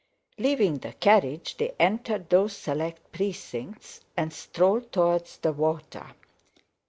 Leaving the carriage, they entered those select precincts, and strolled towards the water.